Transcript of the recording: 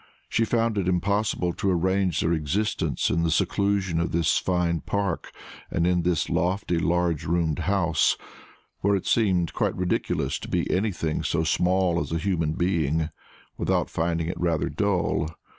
She found it impossible to arrange their existence in the seclusion of this fine park and in this lofty large roomed house, where it seemed quite ridiculous to be anything so small as a human being, without finding it rather dull.